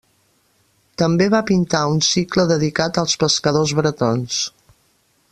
També va pintar un cicle dedicat als pescadors bretons.